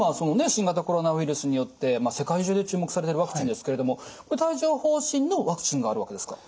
新型コロナウイルスによって世界中で注目されているワクチンですけれども帯状ほう疹のワクチンがあるわけですか？